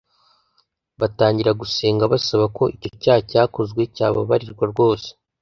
batangira gusenga basaba ko icyo cyaha cyakozwe cyababarirwa rwose